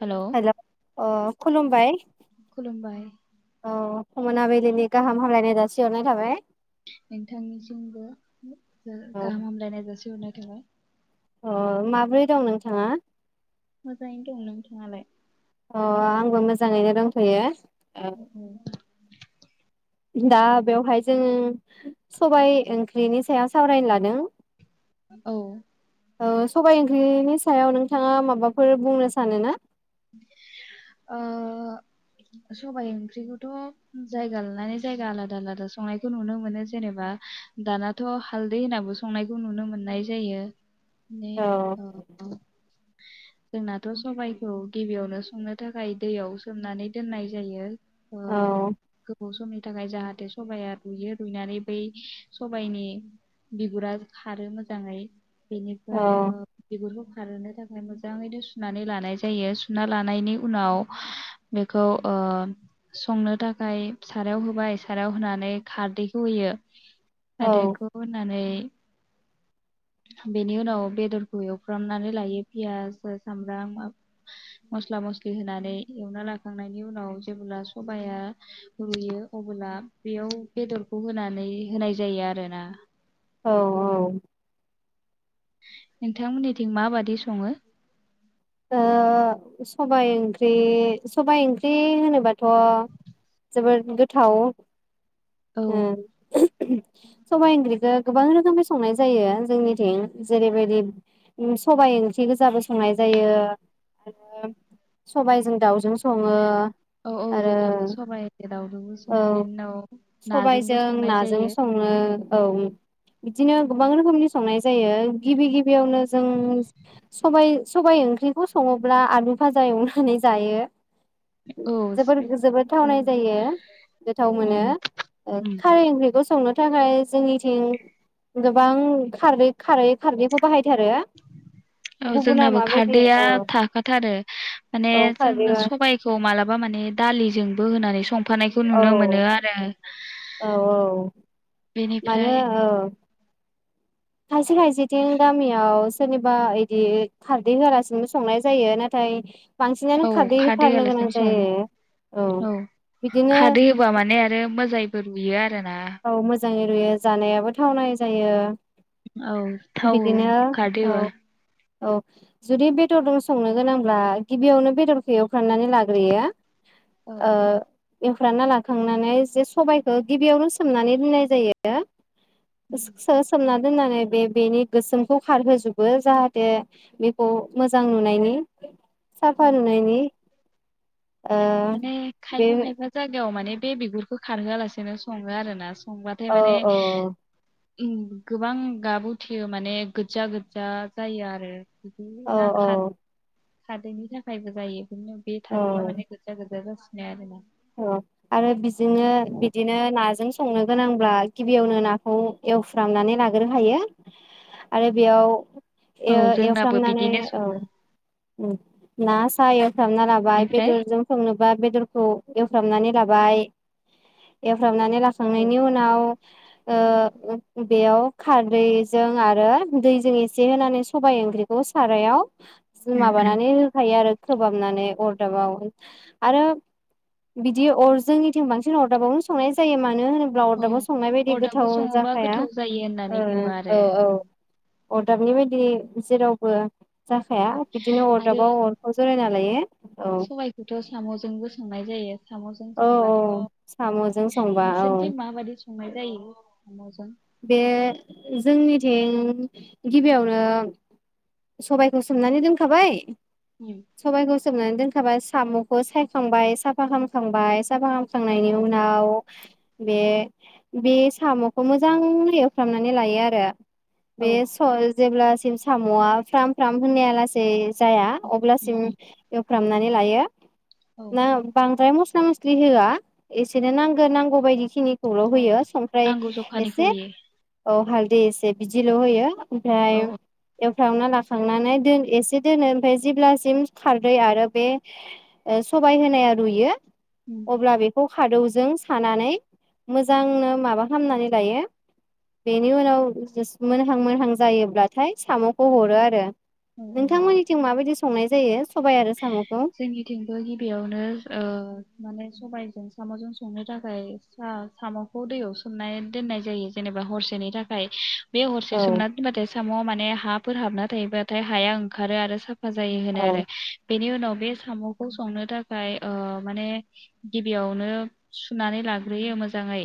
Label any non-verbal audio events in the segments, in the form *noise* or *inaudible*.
Hello hello खुलुमबाय। खुलुमबाय औ मोनाबिलिनि गाहाम हामलायनाय जासिहरनाय थाबाय। नोंथांनिसिमबो ओ औ गाहाम हामलायनाय जासिहरनाय थाबाय। अ माब्रै दं नोंथाङा? मोजाङैनो दं। नोंथाङालाय? अ आंबो मोजाङैनो दंथयो। अ अ दा बेवहाय जोङो सबाय ओंख्रिनि सायाव सावरायनो लादों औ ओ सबाय ओंख्रिनि सायाव नोंथाङा माबाफोर बुंनो सानो ना? ओ सबाय ओंख्रिखौथ' जायगा लानानै जायगा आलादा आलादा संनायखौ नुनो मोनो जेनेबा दानाथ' हालदै होनाबो संनायखौ नुनो मोननाय जायो। ने औ ओ जोंनाथ' सबाइ खौ गिबियावनो संनो थाखाय दैयाव सोमनानै दोननाय जायो ओ औ गोबाव समनि थाखाय जाहाथे सबाइया रुइयो रुइनानै बै सबाइनि बिगुरा खारो मोजाङै। औ बेनिफ्राय ओ बिगुरखौ खारहोनो थाखाय मोजाङैनो सुनानै लानाय जायो सुना लानायनि उनाव बेखौ ओ संनो थाखाय सारायाव होबाय सारायाव होनानै खारदैखौ होयो औ खारदैखौ होनानै बेनि उनाव बेदरखौ एवफ्रामनानै लायो पियास सामब्राम मस्ला मस्लि होनानै एवना लाखांनायनि उनाव जेब्ला सबाया रुयो अबोला बेयाव बेदरखौ होनानै होनाय जायो आरोना। औ औ नोंथांमोननिथिं माबादि सङो? ओ सबाय ओंख्रि सबाय ओंख्रि होनोबाथ' जोबोद गोथाव। औ ओम सबाय ओंख्रिखो गोबां रोखोमनि संनाय जायो जोंनिथिं जेरैबायदि सबाय ओंख्रि गोजाबो संनाय जायो आरो सबाइजों दाउजों सङो। औ औ आरो जोंनाबो सबाइ दाावजोंबो औ सङो बेनि उनाव नाजोंबो सबाइजों संनाय नाजों जायो। सङो औ बिदिनो गोबां रोखोमनि संनाय जायो गिबि गिबि बियावनो जों सबाय सबाइ ओंख्रिखौ सङोब्ला आलु भाजा एवनानै जायो। औ स्पे- जोबोर-जोबोद औ थावनाय उम जायो गोथाव मोनो उम ओ उम खारै ओंख्रिखौ संनो थाखाय जोंनिथिं गोबां खारै-खारै-खारदै बाहायथारो औ गुबुना जोंनाबो माबायदि खारदैया औ थाखाथारो माने औ खारदै जोंना औ सबायखौ मालाबा माने दालिजों बो होनानै सं फानायखौ औ नुनो मोनो आरो औ मानो बेनिफ्राय औ खायसे खायसेथिं गामियाव सोरनिबा इदि खारदै होआलासिनोबो संनाय जायो नाथाय बांसिनानो औ खारदै होथारनो गोनां होआलासिनोबो जायो सङो औ बिदिनो खारदै होबा माने आरो मोजाय *unintelligible* ना जायो रुयो जानायाबो थावनाय जायो। औ थाव बिदिनो खारदै औ औ जुदि बेदरदोन संनो गोनांब्ला गिबियावनो बेदरखो एव खांनानै लाग्रोयो औ ओ एवफ्रामना लाखांनानै जे सबाइखो गिबियावनो स सोमनानै दोननाय जायो। सो-सो-सोमना दोननानै बे बेनि गोसोमखौ खारहोजोबो जाहाथे बेखौ मोजां नुनायनि साफा नुनायनि। ओ माने बे खायफा खायफा जायगायाव माने बे बिगुरखौ खारहोआलासेनो सङो आरो ना। खंबाथाय औ माने। औ गोबां गाबुथेयो माने गोजा गोजा जायो आरो। बिदिनो औ ना औ खार। खादैनि थाखायबो जायो। बिदिनो बे औ थादेरबा माने *unintelligible* आरोना औ आरो बिजोंनो बिदिनो नाजों संनो। गोनांब्ला गिबियावनो नाखौ एवफ्रामनानै लाग्रो हायो आरो बेयाव औ जोंनाबो एवफ्रामनानै बिदिनो औ। सङो म ना सायो। फथाबना लाबाय बेनिफ्राय बेदरजों संनोबा बेदरखौ। एवफ्रामनानै लाबाय फुस्राबनानै औ लाखांनायनि उनाव ओ बेयाव खारदैजों आरो दैजों एसे होनानै सबाइ ओंख्रिखौ सारायाव जों उम उम माबानानै होखायो आरो खोबहाबनानै अरदाबावोन आरो। बिदि अर जोंनिथिं बांसिन अरदाबावनो संनाय जायो मा नो होनोब्ला औ अरदाबाव संनाय बायदि अरदाबाव गोथाव सङोबा जाखाया गोथाव जायो औ होननानै बुङो आरो औ औ। अरदाबनि बायदि जेरावबो जाखाया बिदिनो अरदाबा अरखौ जरायायना। लायो। औ सबायाइखौथ सामजों बोसांनाय जायो। सामजों औ संबाथ साम'जों संबा औ नोंसोरनिथिं माबायदि संनाय जायो सामजों? थिं गिबियावनो सबायखौ सोमनानै दोनखाबाय। उम सबबाय गस सोबनानै दोनखाबाय सामखौ सायखांबाय साफा खालामाम थबाय। फसाा औ फाहामख्रांनायनि उनाव बे बे साम'खौ मोजांङ एवफ्रामनानै लायो आरो। औ बेसल जेब्लासिम साम'आ फ्राम फ्राम होननाया लासेै जाया अब्लासिम उम एवफ्रामनानै लायो। औ ना बां फाय मस्ला मस्लि होआ एसेनो नांगो नांगौ बायदि खिनि खौल' अ होयो संफ्राय नांगौ जखानिखौ एसे होयो। औ हाल देसे बिदिल' होयो। औ ओमफ्राय औ *unintelligible* फ्रावना लाखांनानै दोन एसे दोनो ओमफाय जेब्लासिम खारदै आरो बे ओ सबाइ होनाया रुयो उम अब्ला बेखौ खादौजों सानानै मोजांनो माबा खामनानै लायो। बेनि उनाव *unintelligible* मोनहां मोनहां जायोब्लाथाय साम'खौ हरो आरो। औ औ नोंथांमोननिथिं माबायदि संनाय जायो सबाय आरो साम'खौ जोंनिथिंबो गिबियावनो ओ। माने सबाइजों साम'जों संनो थाखाय सा-साम'खौ दैयाव सोमनाय दोननाय जायो जेनेबा हरसेनि थाखाय। बे हरसे औ सोमना दोनबाथाय साम माने हाफ फोर हाबना थायोबब्लाथाय हाया ओंखारो आरो साफ फाजायो होनो औ आरो। बेनि उनाव बे साम'खौ संनो थाखाय माने गिबियावनो सुनानै लाग्रोयो मोजाङै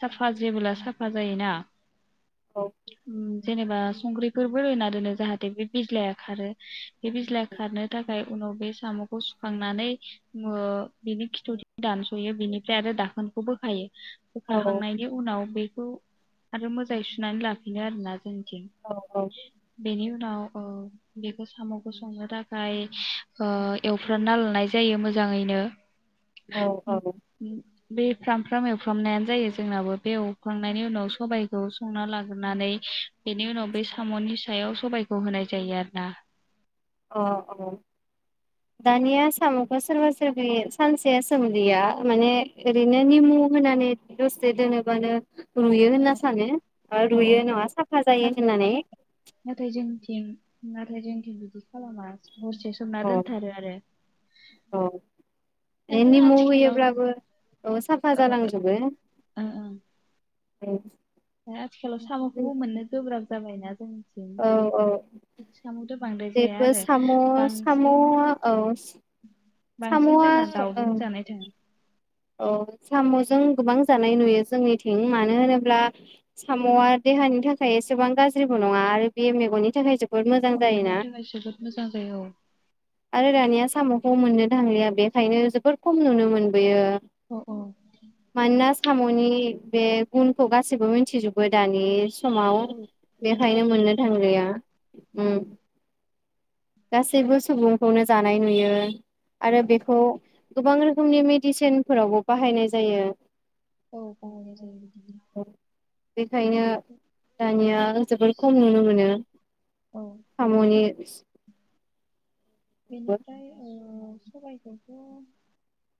साफा जेबोला साफा जायोना उम जेनेबा संख्रिफोरबो होना दोनो जाहाथे बे बिज्लाया खारो बे बिज्लाया खारनो थाखाय उनाव बे साम'खौ सुखांनानै मो बिनि खिथुथिं दानस'यो बिनिफ्राय आरो दाखोनखौ बोखायो। औ औ *unintelligible* हांनायनि उनाव बे खौ आरो मोजाङै सुनानै लाफिनो आरोना। *unintelligible* औ बेनि उनाव ओ बेखौ साम'खौ संनो थाखाय ओ एवफ्राना लानाय जायो मोजाङैनो। औ औ *unintelligible* बे फ्राम फ्राम एवफ्रामनायानो जायो जोंनाबो बे एवफ्रांनायनि उनाव सबायाइखौ संना लाग्रोनानै बेनि उनाव बे साम'नि सायाव सबाइखौ होनाय जायो आरोना। अ औ दानिया सामुखो सोरबा सोरबि सानसे सोमलिया माने ओरैनो निमु होनानै दसे दोनोबानो रुयो होनना सानो ओ औ औ रुयो नङा साफा जायो नाथाय होननानै। नाथाय जोंनिथिं नाथाय जोंथिं बिदि खालामलामा औ औ आरो निमु आथिखालाव होयोब्लाबो औ साफा जालांजोबो ओं ओं औ आथिखालाव सामखौबो मोननो गोब्राब जाबायना जों औ औ बांद्राय जाया बेफोर आरो साम साम बांसिन औ बांसिन साम'आ जोंहा औ दाउजों जानाय थाङो *inaudible* औ सामजों गोबां जाग नाय नुयो जोंनिथिं मानो होनोब्ला? सामआ देहानि थाखाय एसेबां गाज जेबो नङा आरो बे मेगननि थाखाय जो अ मेगननि थाखाय जोबोद मोजां जायो औ आरो दानिया सामखौ मोननो थांलिया बेखायनो जोबोर खम नुनो मोनबोयो अ औ मानोना सामनि बे गुनखौ गासैबो मिथिजोबो दानि समाव औ बेखायनो बेनिखायनो मोननो थांलिया थांला उम गासैबो सुबुंखौनो जानाय नुयो आरो बेखौ गोबां रोखोमनि मेडिसिनफोरावबो बाहायनाय जायो औ बाहायनाय जायो बेखायनो *unintelligible* दानिया जोबोर खम ओमफ्राय नुनो मोनो औ सामनि *unintelligible* बेनिफ्राय ओ औ सबायखौथ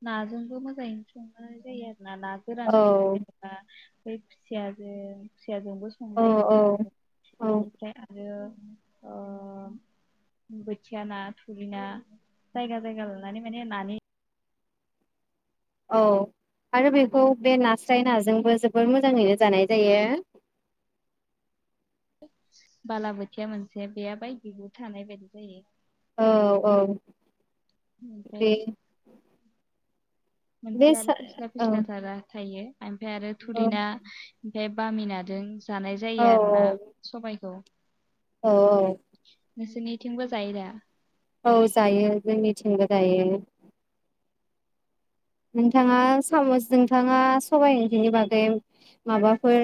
नाजोंबो मोजाङै संनाय जायो आरो नाना औ गोरानजों जेनेबा *unintelligible* खुसियाजोंबो संनाय नुयो औ मोनो औ बेनिफ्राय आरो अ बोथिया ना थुरिना जायगा जायगा लानानै माने नानि औ आरो बेखौ बे नास्राय नाजोंबो जोबोर मोजाङैनो जानाय जायो बालाबोथिया मोनसे बे बायदि जोथानाय बायदि जायो। औ औ बे ओमफ्राय मोनसे बे आरो सा फिस्ला औ फिस्ला थारा थायो ओमफ्राय आरो औ थुरिना *unintelligible* जानाय औ जायो आरोना सबायखौ औ औ नोंसोरनिथिंबो जायो दा औ जायो जोंनिथिंबो जायो। नोंथाङा साम'जो नोंथाङा सबाइ ओंख्रिनि बागै माबाफोर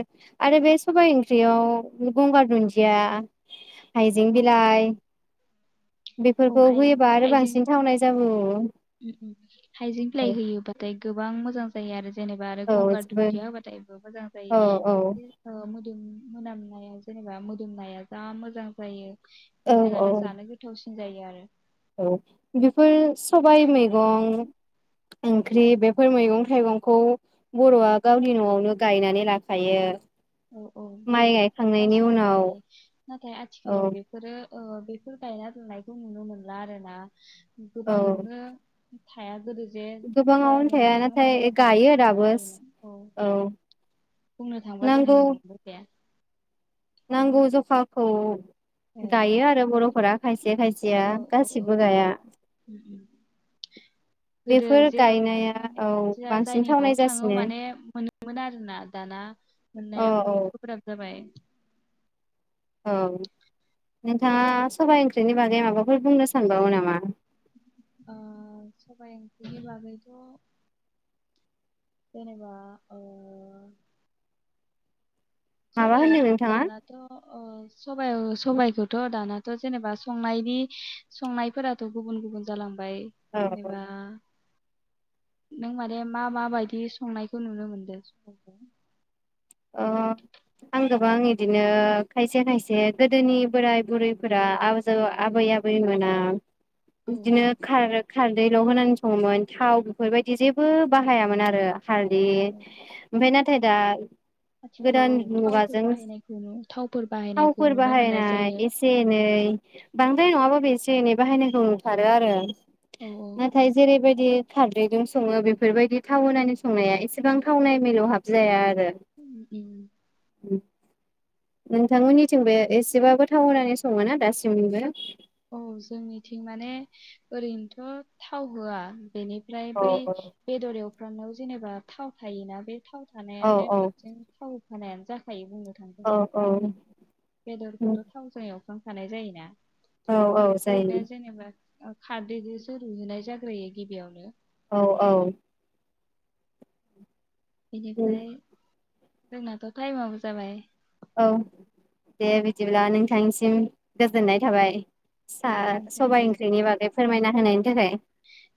आरो बे सबाइ ओंख्रियाव गंगार दुन्दिया हाइजें औ बिलाइ औ बेफोरखौ हाय होयोबा आरो बांसिन थावनाय जाबावो। ओम ओम हाइजें बिलाय होयो बाथाय गोबां मोजां जायो आरो। जेनेबा आरो औ गंगार जोबो दुदिया होबाथायबो मोजां जायो औ औ इसे ओ मोदोम मोनामनाया जेनेबा मोदोमनाया जा मोजां जायो। औ बेजों औ आरो जानो गोथावसिन जायो आरो औ बेफोर सबाय मैगं ओंख्रि बेफोर मैगं थाइगंखौ बर'आ गावनि न'आवनो गायनानै लाखायो। औ औ बे माइ गायखांनायनि गासैनावबो उनाव थायो नाथाय औ आथिखालाव बेफोरो ओ बेफोर गायना दोन्नायखौ नुनो मोनला आरो ना। गोबां औ नुनो हाया गोदो जे गोबाङावनो थाया जायनाव थाङो माने नाथाय गायो आरो बारिफोराव दाबो थायोमोन औ बुंनो थांबा नांगौ जोंहानि न'आवनो गाइया। नांगौ जखाखौ ए गायो आरो बर'फोरा खायसे औ खायसेया औ औ औ गासिबो औ गाया उम उम गोदो बेफोर जेराव थां गायनाया माने औ जाहा बांसिन जायनि न'आव थावनाय थाङो जासिनो माने मोनोमोन आरोना दाना औ मोननाया बहुद औ गोब्राब जाबाय। औ नोंथाङा सबाय ओं ख्रिनि बागै माबाफोर बुंनो सानबावो नामा? बिनि बागैथ जेनेबा ओ माबा सबाय होनदों ओंख्रि नोंथाङा दानाथ ओ सबायअ सबायखौथ दानाथ जेनेबा संनायनि संनायफोराथ गुबुन गुबुन जाालां बाय औ जेनेबा नों माने मा मा माबायदि संनायखौ नुनो मोनदों स *unintelligible* ओ आं गोबां इदिनो खायसे खायसे गोदोनि बोराय बुरैफोरा आजौ आबै आबैमोना औ बिदिनो खारोख खारदैल होनानै सङोमोन थाव बेफोरबायदि जेबो बाहायामोन आरो। हालदि औ ओमफाय ना थायदा आथिखालाव गोदान औ थावफोर मुगाजों बाहायनायखौ बाहायनायखौ थावफोर नुनो मोननाय बाहायनाय जायो। एसे एनै बांद्राय नङाबो एसे एनै बाहायनायखौ नुथारो आरो। औ नाथाय जेरै बायदि खारदैजों सङो बेफोरबायदि थाव होनानै संनाया एसेबां थावनाय मिलौ हाब जाया आरो। उम *inaudible* नोंथांमोननिथिंबो एसेबाबो थाव होनानै सङो ना दासिमबो। औ जोंनिथिं माने ओरैनोथ थाव होआ। बेनिफ्राय औ बै बेदर एव फ्रामनायाव जेनेबा थाव थायोना बे थाव औ थानायानो औ बिदिन थाव होनायानो जाखायो बुङो। औ औ बेदरखौथ थाव जाया एवफ्रामखानाय जायोना औ औ ओरैनो जायो। जेनेबा ओ खारदैजोंसो रुहैनाय जाग्रोयो गिबियावनो। औ औ बेनिफ्राय जोंनाथ टाइमाबो जाबाय? औ दे बिदिब्ला नोंथांनिसिम गोजोननाय थाबाय। सा सबाय ओंख्रिनि नोंथांनिसिबो बागै फोरमायना होनायनि थाखाय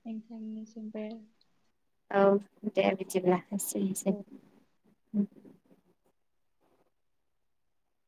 नोंथांनिसिमबो औ दे बिदिब्ला। एसेनोसै। औ उम